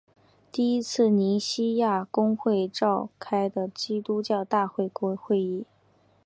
第一次尼西亚公会议召开的基督教大公会议。